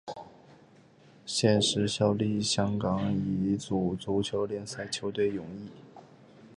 现时效力香港乙组足球联赛球队永义。